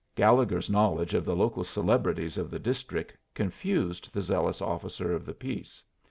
Gallegher's knowledge of the local celebrities of the district confused the zealous officer of the peace.